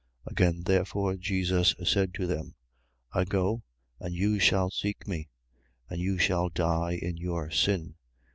8:21. Again therefore Jesus said to them: I go: and you shall seek me. And you shall die in your sin.